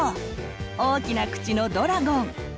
大きな口のドラゴン。